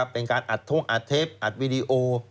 เป็นการอัดทงอัดเทปอัดวีดีโอ